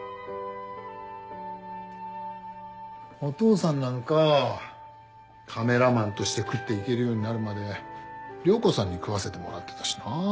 お父さんなんかカメラマンとして食って行けるようになるまで涼子さんに食わせてもらってたしな。